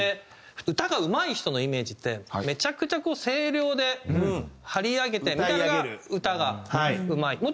歌がうまい人のイメージってめちゃくちゃこう声量で張り上げてみたいなのが歌がうまい。